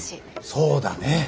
そうだね。